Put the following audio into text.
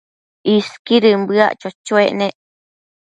Isquidën bëac cho-choec nec